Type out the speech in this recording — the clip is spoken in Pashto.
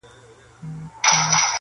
• څنګه پردی سوم له هغي خاوري -